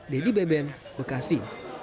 dedy beben bekasi